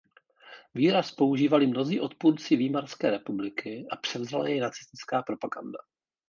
Výraz používali mnozí odpůrci Výmarské republiky a převzala jej nacistická propaganda.